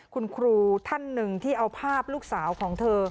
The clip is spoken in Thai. คุณครูท่านหนึ่งที่เอาภาพลูกสาวของเธอ